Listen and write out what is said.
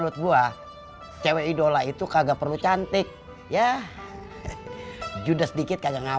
kupil sampai bisa cari perempuan attuhnya